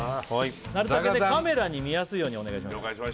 なるたけねカメラに見やすいようにお願いします